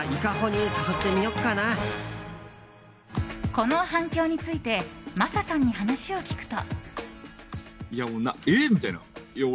この反響についてまささんに話を聞くと。